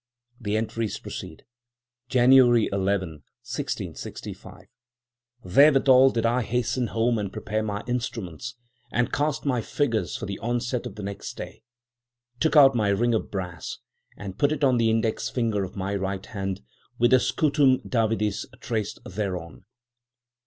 The entries proceed: "January 11, 1665.—Therewithal did I hasten home and prepare my instruments, and cast my figures for the onset of the next day. Took out my ring of brass, and put it on the index finger of my right hand, with the scutum Davidis traced thereon.